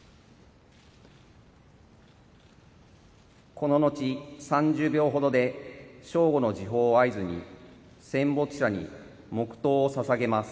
こののち、３０秒程で正午の時報を合図に戦没者に黙とうをささげます。